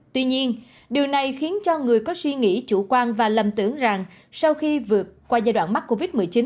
tuy nhiên điều này khiến cho người có suy nghĩ chủ quan và lầm tưởng rằng sau khi vượt qua giai đoạn mắc covid một mươi chín